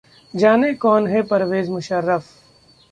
जाने कौन हैं परवेज मुशर्रफ?